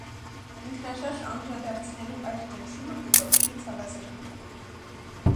Ինքնաշարժ անդրադարձներու այս ճնշումը կը կոչուի ցաւազրկում։